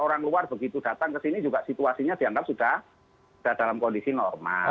orang luar begitu datang ke sini juga situasinya dianggap sudah dalam kondisi normal